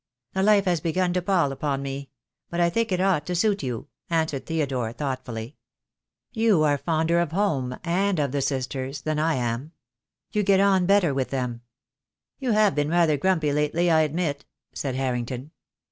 "The life has begun to pall upon me, but I think it ought to suit you," answered Theodore, thoughtfully. "You are fonder of home — and of the sisters — than I am. You get on better with them." "You have been rather grumpy lately, I admit," said Harrington.